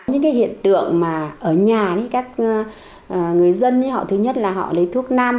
những cái hiện tượng mà ở nhà các người dân họ thứ nhất là họ lấy thuốc nam